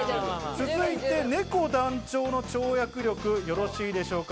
続いてねこ団長の跳躍力、よろしいでしょうか？